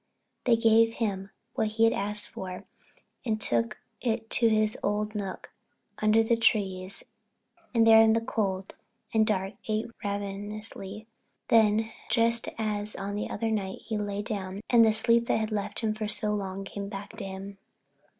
They gave him what he asked for and he took it to his old nook under the trees and there in the cold and dark ate ravenously. Then, just as on that other night, he lay down and the sleep that had left him for so long came back to him.